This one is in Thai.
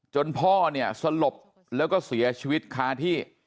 พ่อเนี่ยสลบแล้วก็เสียชีวิตคาที่